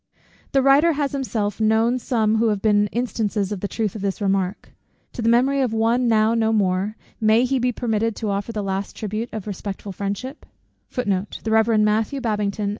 The writer has himself known some who have been instances of the truth of this remark. To the memory of one, now no more, may he be permitted to offer the last tribute of respectful friendship?